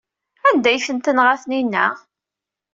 Anda ay tent-tenɣa Taninna?